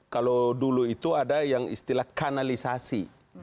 kalau dulu itu ada yang istilah kanalisasi